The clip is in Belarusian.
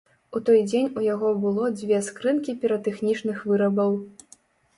У той дзень у яго было дзве скрынкі піратэхнічных вырабаў.